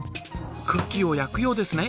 クッキーを焼くようですね。